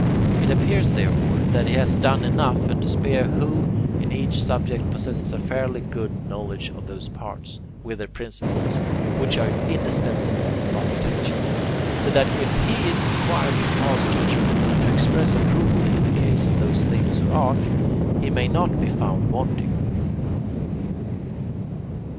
It appears, therefore, that he has done enough and to spare who in each subject possesses a fairly good knowledge of those parts, with their principles, which are indispensable for architecture, so that if he is required to pass judgement and to express approval in the case of those things or arts, he may not be found wanting.